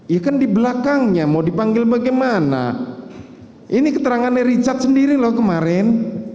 ya kan di belakangnya mau dipanggil bagaimana ini keterangannya richard sendiri loh kemarin